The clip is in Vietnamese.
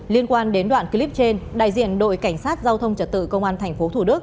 liên quan đến đoạn clip trên đại diện đội cảnh sát giao thông trật tự công an tp thủ đức